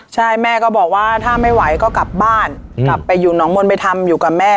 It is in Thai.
ใช่แม่ก็บอกว่าถ้าไม่ไหวก็กลับบ้านกลับไปอยู่หนองมนต์ไปทำอยู่กับแม่